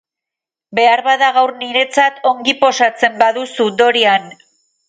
Beharbada, gaur niretzat ongi posatzen baduzu, Dorian.